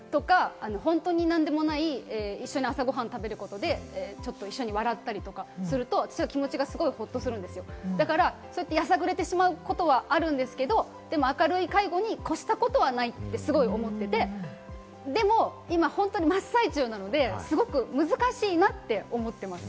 本当に何でもない、一緒に朝ご飯食べることで、笑ったりとかすると気持ちがほっとするんですよ。やさぐれてしまうことはあるんですけど、明るい介護に越したことはないとすごく思ってて、でも今、本当に真っ最中なので、すごく難しいなと思っています。